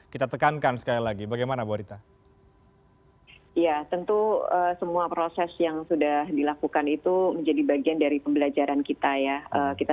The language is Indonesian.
ya tentu semua proses yang sudah dilakukan itu menjadi bagian dari pembelajaran kita ya kita